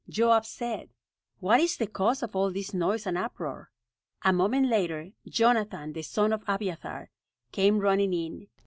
Joab said: "What is the cause of all this noise and uproar?" A moment later, Jonathan, the son of Abiathar, came running in.